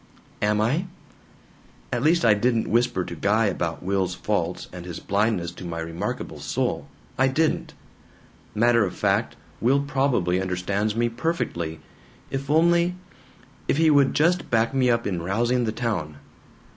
"Am I? "At least I didn't whisper to Guy about Will's faults and his blindness to my remarkable soul. I didn't! Matter of fact, Will probably understands me perfectly! If only if he would just back me up in rousing the town.